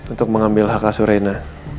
untuk mengambil hak asur reina